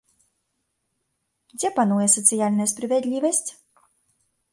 Дзе пануе сацыяльная справядлівасць?